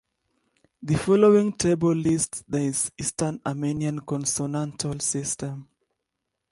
The following table lists the Eastern Armenian consonantal system.